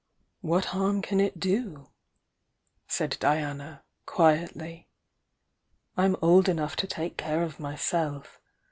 "What harm can it do?" said Diana, quietly. "I'm old enough to take care of myself.